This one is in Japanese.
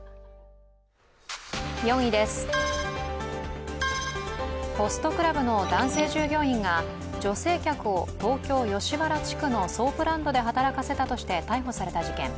４位です、ホストクラブの男性従業員が女性客を東京・吉原地区のソープランドで働かせたとして逮捕された事件。